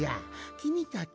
きみたち